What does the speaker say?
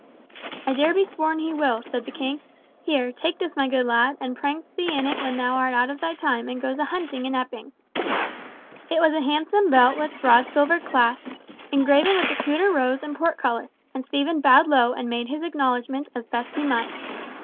"I dare be sworn he will," said the king. "Here, take this, my good lad, and prank thee in it when thou art out of thy time, and goest a hunting in Epping!" It was a handsome belt with a broad silver clasp, engraven with the Tudor rose and portcullis; and Stephen bowed low and made his acknowledgments as best he might.